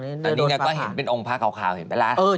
ตอนนี้ก็เห็นเป็นองค์พระขาวเห็นไหมล่ะ